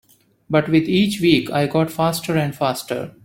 But with each week I got faster and faster.